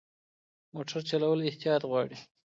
موټر چلول احتیاط غواړي.